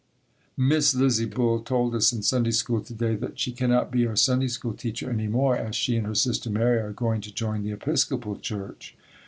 Miss Lizzie Bull told us in Sunday School to day that she cannot be our Sunday School teacher any more, as she and her sister Mary are going to join the Episcopal Church.